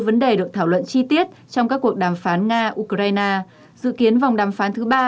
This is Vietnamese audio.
vấn đề được thảo luận chi tiết trong các cuộc đàm phán nga ukraine dự kiến vòng đàm phán thứ ba